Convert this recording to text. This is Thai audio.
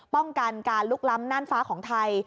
ป้องกันการลุกล้ำน่านฟ้าของไทย